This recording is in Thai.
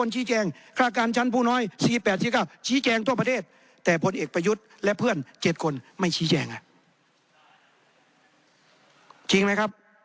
จริงหรือครับ